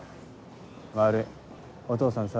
悪いお父さんさ